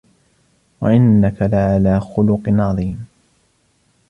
وَإِنَّكَ لَعَلَى خُلُقٍ عَظِيمٍ